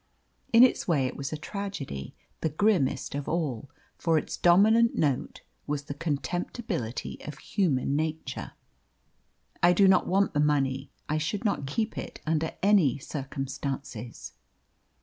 In its way it was a tragedy the grimmest of all for its dominant note was the contemptibility of human nature. "I do not want the money. I should not keep it under any circumstances."